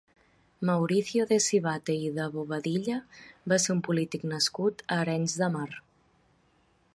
Mauricio de Sivatte i de Bobadilla va ser un polític nascut a Arenys de Mar.